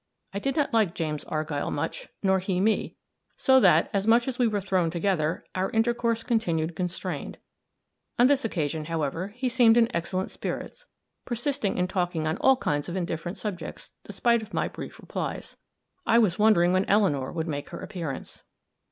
I did not like James Argyll much, nor he me; so that, as much as we were thrown together, our intercourse continued constrained. On this occasion, however, he seemed in excellent spirits, persisting in talking on all kinds of indifferent subjects despite of my brief replies. I was wondering when Eleanor would make her appearance.